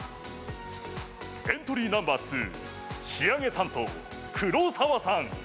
エントリーナンバー２仕上げ担当、黒澤さん。